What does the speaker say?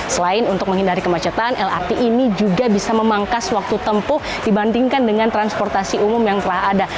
selain untuk menghindari kemacetan lrt ini juga bisa memangkas waktu tempuh dibandingkan dengan transportasi umum yang telah ada